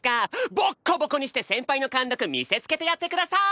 ボッコボコにして先輩の貫禄見せつけてやってくださーい！